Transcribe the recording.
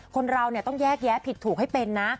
คนเราต้องแยกแยะผิดถูกให้เป็นนะ